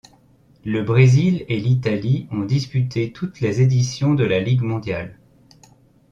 Le Brésil et l'Italie ont disputé toutes les éditions de la Ligue mondiale.